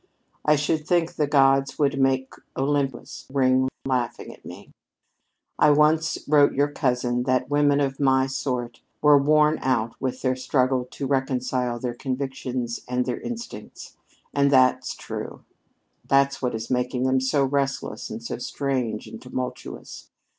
I should think the gods would make Olympus ring laughing at me! I once wrote your cousin that women of my sort were worn out with their struggle to reconcile their convictions and their instincts. And that's true. That's what is making them so restless and so strange and tumultuous.